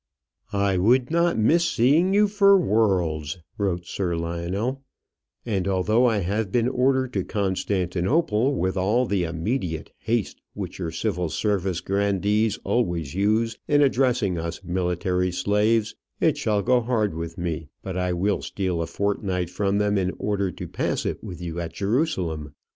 "I would not miss seeing you for worlds," wrote Sir Lionel; "and although I have been ordered to Constantinople with all the immediate haste which your civil service grandees always use in addressing us military slaves, it shall go hard with me but I will steal a fortnight from them in order to pass it with you at Jerusalem.